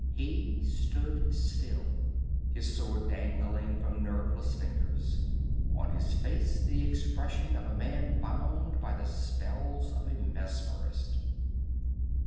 He stood still, his sword dangling from nerveless fingers, on his face the expression of a man bound by the spells of a mesmerist.